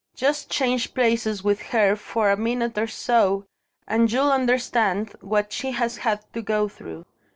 Just change places with her for a minute or so and you'll understand what she has had to go through.